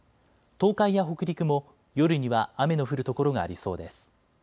東海や北陸も夜には雨の降る所がありそうです。